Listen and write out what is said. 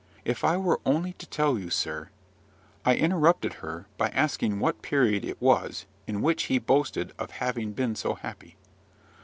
If I were only to tell you, sir " I interrupted her by asking what period it was in which he boasted of having been so happy.